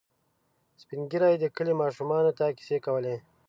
سپين ږیري د کلي ماشومانو ته کیسې کولې.